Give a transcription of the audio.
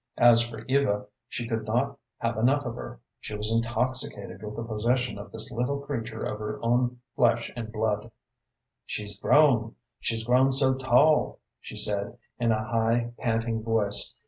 As for Eva, she could not have enough of her. She was intoxicated with the possession of this little creature of her own flesh and blood. "She's grown; she's grown so tall," she said, in a high, panting voice.